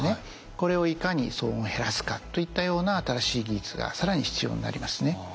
これをいかに騒音を減らすかといったような新しい技術が更に必要になりますね。